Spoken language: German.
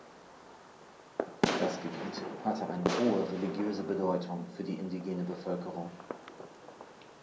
Das Gebiet hatte eine hohe religiöse Bedeutung für die indigene Bevölkerung.